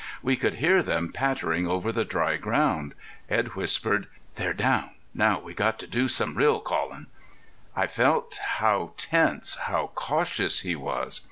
We could hear them pattering over the dry ground. Edd whispered: 'They're down. Now we got to do some real callin'.' I felt how tense, how cautious he was.